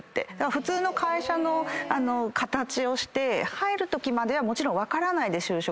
普通の会社の形をして入るときまではもちろん分からないで就職してますね。